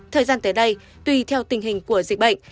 thời gian tới đây tùy theo tình hình của dịch bệnh